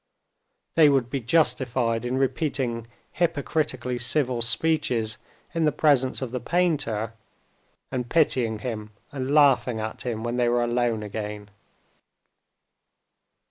They would be justified in repeating hypocritically civil speeches in the presence of the painter, and pitying him and laughing at him when they were alone again.